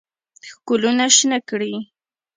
ښکلونه شنه کړي